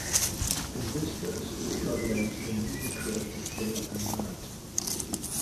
In this verse, God names the newly created day and night.